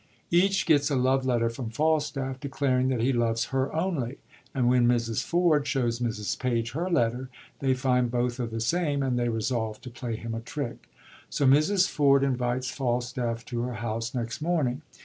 Each gets a love letter from Falstaff, declaring that he loves her only ; and when Mrs. Ford shows Mrs. Page her letter, they find both are the same, and they resolve to play him a trick. So Mrs. Ford invites Falstafif to her house next morning.